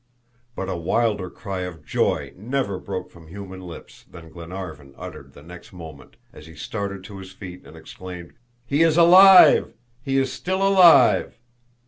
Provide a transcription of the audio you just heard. But a wilder cry of joy never broke from human lips, than Glenarvan uttered the next moment, as he started to his feet and exclaimed: "He is alive! He is still alive!"